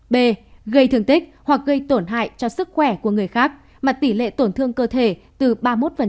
b gây thương tích hoặc gây tổn hại cho sức khỏe của người khác mà tỷ lệ tổn thương cơ thể từ ba mươi một đến sáu mươi